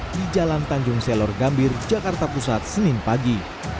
di jalan tanjung selor gambir jakarta pusat senin pagi